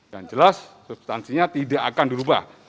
jelas substansinya tidak akan dirubah